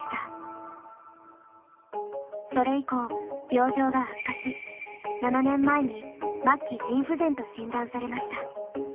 それ以降病状が悪化し７年前に末期腎不全と診断されました。